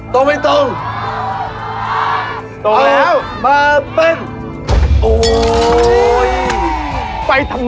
ตรงไม่ตรงตรง